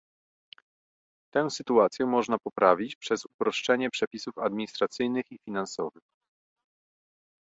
Tę sytuację można poprawić poprzez uproszczenie przepisów administracyjnych i finansowych